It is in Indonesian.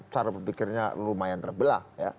cara pemikirnya lumayan terbelah